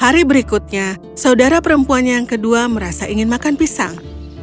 hari berikutnya saudara perempuannya yang kedua merasa ingin makan pisang